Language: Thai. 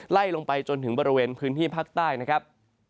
ไล่ลงไปจนถึงบริเวณพื้นที่ภาคใต้นะครับ